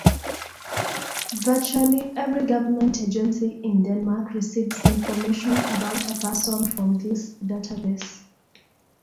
Virtually every government agency in Denmark receives information about a person from this database.